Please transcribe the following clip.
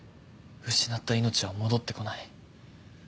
失った命は戻ってこない。